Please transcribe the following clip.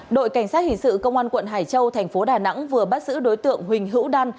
đội cảnh sát hình sự công an quận hải châu thành phố đà nẵng vừa bắt giữ đối tượng huỳnh hữu đan